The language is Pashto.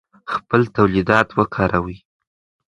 خپل تولیدات وکاروئ.